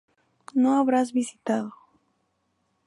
No habrás visitado